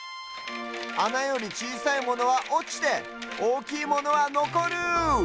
あなよりちいさいものはおちておおきいものはのこる！